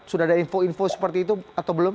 sudah ada info info seperti itu atau belum